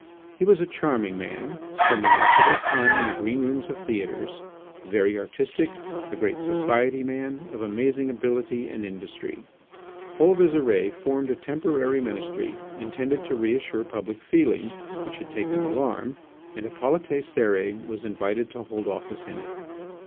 He was a charming man, spending much of his time in the green rooms of theatres, very artistic, a great society man, of amazing ability and industry. Paul Visire formed a temporary ministry intended to reassure public feeling which had taken alarm, and Hippolyte Cérès was invited to hold office in it.